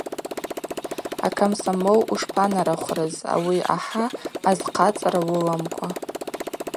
Акомсомол ушпанарахврыз ауи ахӏа азхъацӏара уыламкӏва.